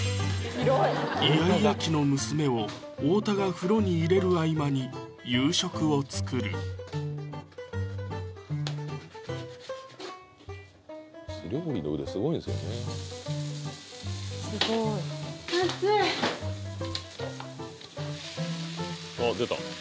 イヤイヤ期の娘を太田が風呂に入れる合間に夕食を作る暑いあっ出た！